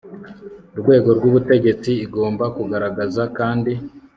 rwego rw ubutegetsi igomba kugaragaza kandi